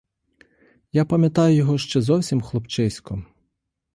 Я пам'ятаю його ще зовсім хлопчиськом.